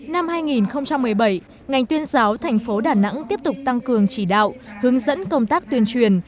năm hai nghìn một mươi bảy ngành tuyên giáo thành phố đà nẵng tiếp tục tăng cường chỉ đạo hướng dẫn công tác tuyên truyền